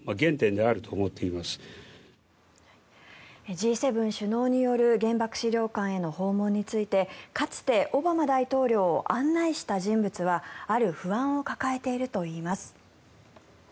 Ｇ７首脳による原爆資料館への訪問についてかつてオバマ大統領を案内した人物はある不安を抱えているといいます。